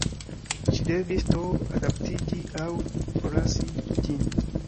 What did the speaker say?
Ŝi devis, do, adaptiĝi aŭ forlasi ĝin.